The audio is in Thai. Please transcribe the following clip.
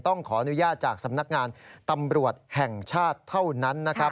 ต้องขออนุญาตจากสำนักงานตำรวจแห่งชาติเท่านั้นนะครับ